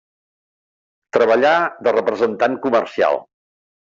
Treballà de representant comercial.